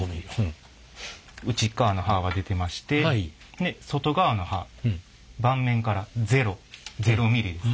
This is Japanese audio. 内側の刃が出てましてで外側の刃盤面から００ミリです。